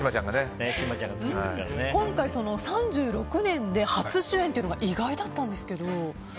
今回３６年で初主演というのが意外だったんですけど。